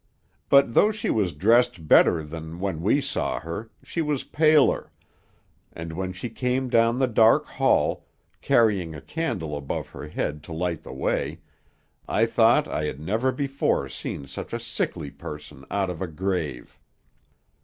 But though she was dressed better than when we saw her, she was paler; and when she came down the dark hall, carrying a candle above her head to light the way, I thought I had never before seen such a sickly person out of a grave.